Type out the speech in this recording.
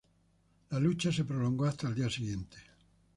La lucha se prolongó hasta el día siguiente.